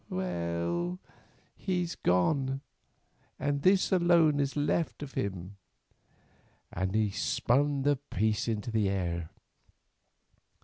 Well, he's gone, and this alone is left of him," and he spun the piece into the air.